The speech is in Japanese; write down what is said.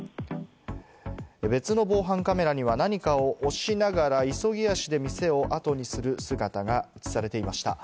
別の防犯カメラには何かを押しながら、急ぎ足で店をあとにする姿が映されていました。